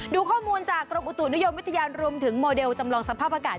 ดูข้อมูลจากกรมอุตุนิยมวิทยารวมถึงโมเดลจำลองสภาพอากาศ